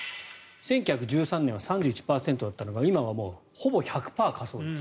１９１３年は３１％だったのが今はほぼ１００％火葬です。